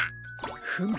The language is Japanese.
フム！